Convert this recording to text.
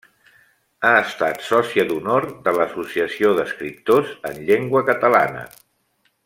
Ha estat sòcia d'honor de l'Associació d'Escriptors en Llengua Catalana.